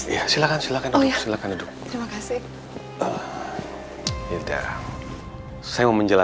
yang udah ngejar